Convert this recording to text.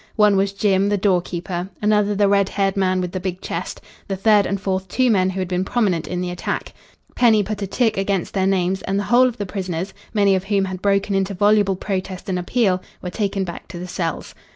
One was Jim, the door keeper; another the red haired man with the big chest; the third and fourth two men who had been prominent in the attack. Penny put a tick against their names, and the whole of the prisoners, many of whom had broken into voluble protest and appeal, were taken back to the cells.